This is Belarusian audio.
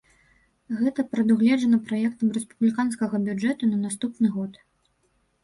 Гэта прадугледжана праектам рэспубліканскага бюджэту на наступны год.